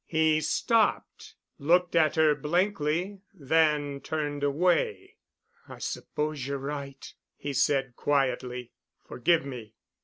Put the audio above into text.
He stopped, looked at her blankly, then turned away. "I suppose you're right," he said quietly. "Forgive me.